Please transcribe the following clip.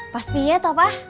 pas biat pak